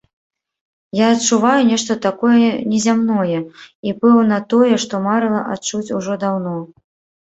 Я адчуваю нешта такое незямное і, пэўна, тое, што марыла адчуць ужо даўно.